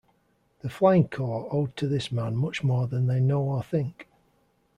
The Flying Corps owed to this man much more than they know or think.